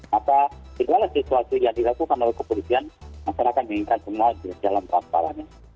maka segala situasi yang dilakukan oleh kepolisian masyarakat menginginkan semua jalan perantaranya